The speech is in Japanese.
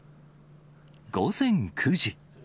午前９時。